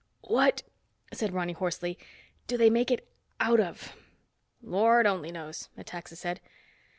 "What," said Ronny hoarsely, "do they make it out of?" "Lord only knows," Metaxa said.